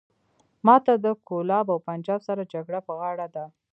ماته له کولاب او پنجاب سره جګړه په غاړه ده.